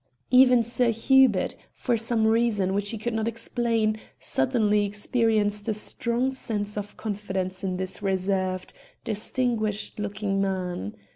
Even Sir Hubert, for some reason which he could not explain, suddenly experienced a strong sense of confidence in this reserved, distinguished looking man.